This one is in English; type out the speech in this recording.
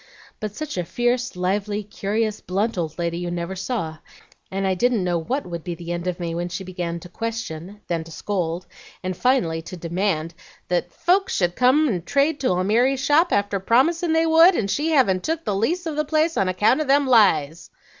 But such a fierce, lively, curious, blunt old lady you never saw, and I didn't know what would be the end of me when she began to question, then to scold, and finally to demand that 'folks should come and trade to Almiry's shop after promisin' they would, and she havin' took a lease of the place on account of them lies.'